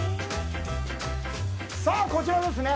さあ、こちらですね。